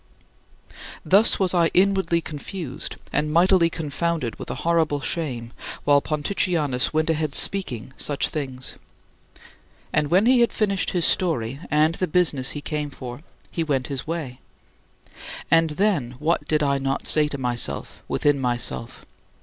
Thus was I inwardly confused, and mightily confounded with a horrible shame, while Ponticianus went ahead speaking such things. And when he had finished his story and the business he came for, he went his way. And then what did I not say to myself, within myself?